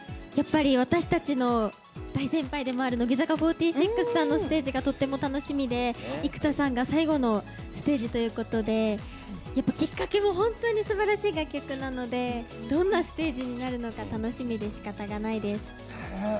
私たちの大先輩でもある乃木坂４６さんのステージがとても楽しみで生田さんが最後のステージということで「きっかけ」も本当にすばらしい楽曲なのでどんなステージになるのか楽しみでしかたがないです。